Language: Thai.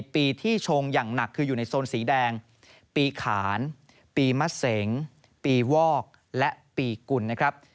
ปีที่ชงอย่างหนักคืออยู่ในโซนสีแดงปีขานปีมะเสงปีวอกและปีกุลนะครับ